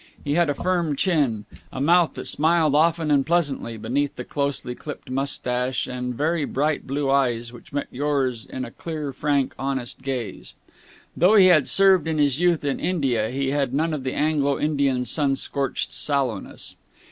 He had a firm chin, a mouth that smiled often and pleasantly beneath the closely clipped moustache, and very bright blue eyes which met yours in a clear, frank, honest gaze. Though he had served in his youth in India, he had none of the Anglo Indian's sun scorched sallowness.